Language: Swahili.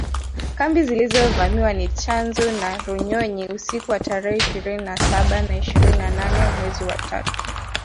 Kambi zilizovamiwa ni Tchanzu na Runyonyi, usiku wa tarehe ishirini na saba na ishirini na nane mwezi wa tatu